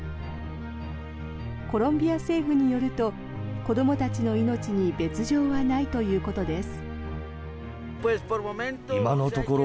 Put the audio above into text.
コロンビア政府によると子どもたちの命に別条はないということです。